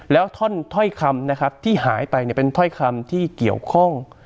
แล้วถ้อยคำนะครับที่หายไปเนี่ยเป็นถ้อยคำที่เกี่ยวข้อง